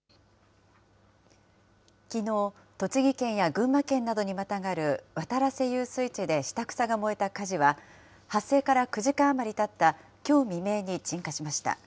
きのう、栃木県や群馬県などにまたがる渡良瀬遊水地で下草が燃えた火事は、発生から９時間余りたったきょう未明に鎮火しました。